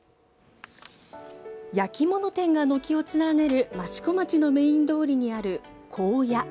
焼き物店が軒を連ねる益子町のメイン通りにある紺屋。